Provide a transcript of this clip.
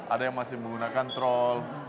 ada yang masih menggunakan troll